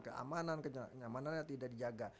keamanan kenyamanannya tidak dijaga